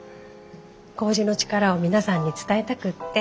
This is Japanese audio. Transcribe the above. こうじの力を皆さんに伝えたくって